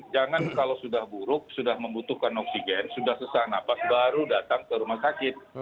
jangan kalau sudah buruk sudah membutuhkan oksigen sudah sesak napas baru datang ke rumah sakit